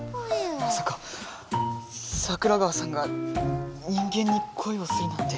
まさか桜川さんが人間にこいをするなんて。